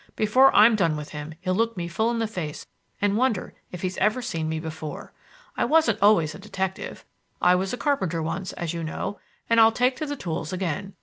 Before I'm done with him, he'll look me full in the face and wonder if he's ever seen me before. I wasn't always a detective. I was a carpenter once, as you know, and I'll take to the tools again.